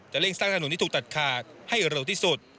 เร่งสร้างถนนที่ถูกตัดขาดให้เร็วที่สุด